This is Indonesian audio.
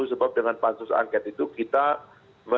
sebab dengan pansus angket itu kita